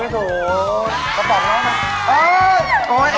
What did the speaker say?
ก็ตอบน้องนะ